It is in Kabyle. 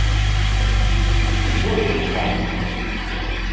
Yettwagdel ddexxan!